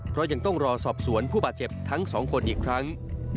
เพราะยังต้องรอสอบสวนผู้บาดเจ็บทั้งสองคนอีกครั้ง